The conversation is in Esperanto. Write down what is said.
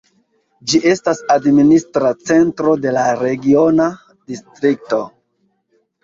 Ĝi estas administra centro de la regiona distrikto.